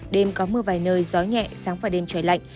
đêm có mưa vài nơi gió nhẹ sáng và đêm trời lạnh